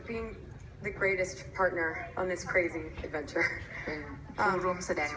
เป็นรุมสดักน้ำที่ดีมากด้วย